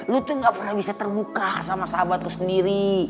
lo tuh gak pernah bisa terbuka sama sahabat lo sendiri